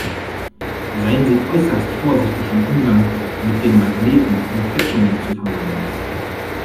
Seien Sie äußerst vorsichtig im Umgang mit den Magneten, um Quetschungen zu vermeiden.